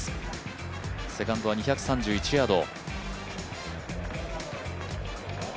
セカンドは２３１ヤード。